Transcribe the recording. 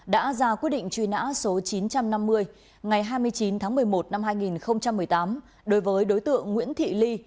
đã ra quyết định truy nã số chín trăm năm mươi ngày hai mươi chín tháng một mươi một năm hai nghìn một mươi tám đối với đối tượng nguyễn thị ly